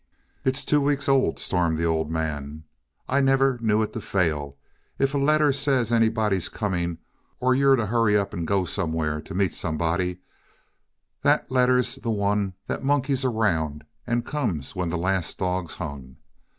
"It's two weeks old," stormed the Old Man. "I never knew it to fail if a letter says anybody's coming, or you're to hurry up and go somewhere to meet somebody, that letter's the one that monkeys around and comes when the last dog's hung.